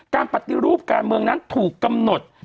การปฏิรูปการเมืองนั้นถูกกำหนด